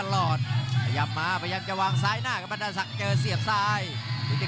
ของบรรดาศักดิ์ครับ